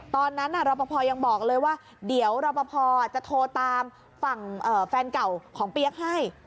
ตอนนั้นรอปภยังบอกเลยว่าเดี๋ยวรอปภจะโทรตามฝั่งแฟนเก่าของเปี๊ยกให้